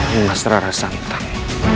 nimas rara santang